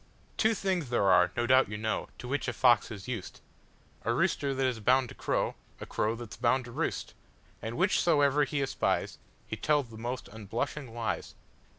Two things there are, no doubt you know, To which a fox is used,—A rooster that is bound to crow,A crow that 's bound to roost, And whichsoever he espiesHe tells the most unblushing lies.